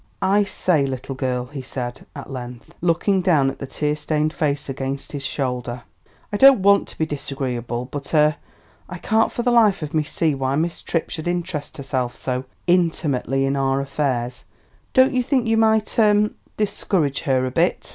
"I say, little girl," he said at length, looking down at the tear stained face against his shoulder, "I don't want to be disagreeable, but er I can't for the life of me see why Miss Tripp should interest herself so intimately in our affairs. Don't you think you might er discourage her a bit?"